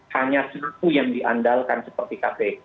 hanya satu yang diandalkan seperti kpk